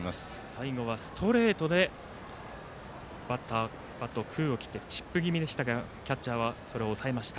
最後はストレートでバットが空を切ってチップ気味でしたがキャッチャーは押さえました。